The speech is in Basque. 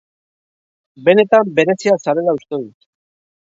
Benetan berezia zarela uste dut.